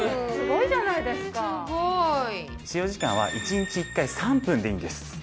すごい！使用時間は１日１回３分でいいんです。